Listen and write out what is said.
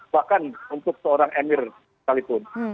bahkan untuk seorang emir sekalipun